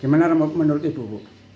gimana menurut ibu bu